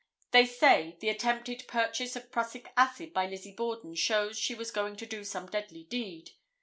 They say the attempted purchase of prussic acid by Lizzie Borden shows she was going to do some deadly deed.